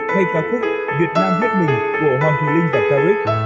hay ca khúc việt nam hiếp mình của hoàng huy linh và cao ích